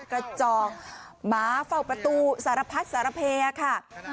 กระจอกหมาเฝ้าประตูสารพัดสารเพค่ะ